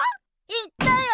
言ったよ！